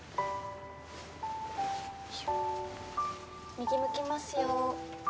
右向きますよ。